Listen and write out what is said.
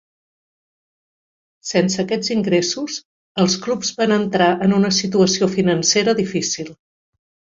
Sense aquests ingressos, els clubs van entrar en una situació financera difícil.